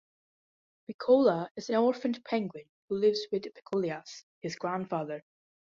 Pecola is an orphaned penguin who lives with Pecolias, his grandfather.